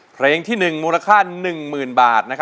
เพลง๑มูรค่า๑๐๐๐๐บาท